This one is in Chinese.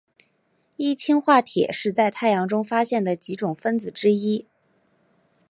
一氢化铁是在太阳中发现的几种分子之一。